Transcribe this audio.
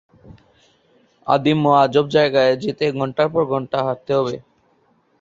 আদিম ও আজব জায়গায় যেতে ঘন্টার পর ঘন্টা হাঁটতে হবে।